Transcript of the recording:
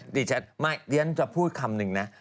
ดิฉันจะพูดคำหนึ่งนะ